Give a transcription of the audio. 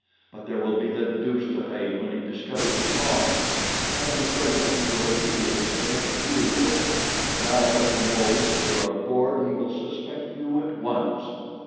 But there will be the deuce to pay when he discovers his loss. I am afraid that he will immediately connect you with it. Now that he knows that you are on board he will suspect you at once."